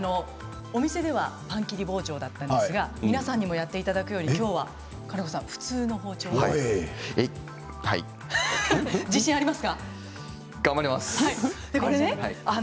お店では、パン切り包丁だったんですが皆さんにもやっていただけるように今日は普通の包丁頑張ります。